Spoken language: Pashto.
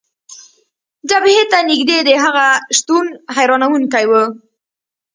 جبهې ته نژدې د هغه شتون، حیرانونکی و.